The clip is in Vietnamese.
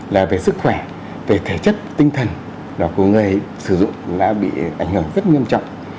là về sức khỏe về thể chất tinh thần của người sử dụng đã bị ảnh hưởng rất nghiêm trọng